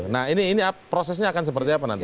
nah ini prosesnya akan seperti apa nanti